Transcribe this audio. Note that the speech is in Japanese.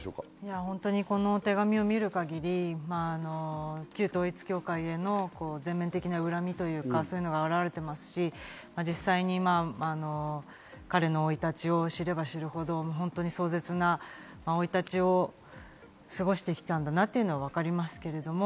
この手紙を見る限り、旧統一教会への全面的な恨みというか、そういうのが表れていますし、実際に彼の生い立ちを知れば知るほど、本当に壮絶な生い立ちを過ごしてきたんだなっていうのが分かりますけれども、